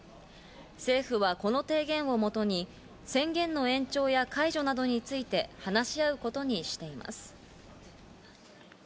政府はこの提言をもとに制限の延長や解除などについて話し合うことにしています。